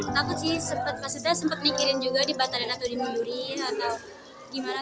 takut sih sempat mikirin juga dibatarin atau dimuyurin atau gimana